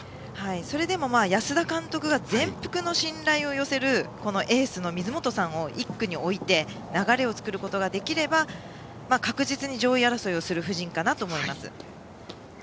それでも安田監督が全幅の信頼を寄せるエースの水本さんを１区に置いて流れを作ることができれば確実に上位争いをする布陣かなと思います。